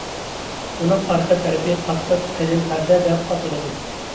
بۇنىڭ ئارقا تەرىپى قاتتىق قېلىن پەردە دەپ ئاتىلىدۇ.